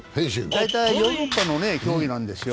大体ヨーロッパの競技なんですよ。